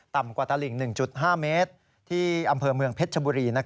กว่าตลิ่ง๑๕เมตรที่อำเภอเมืองเพชรชบุรี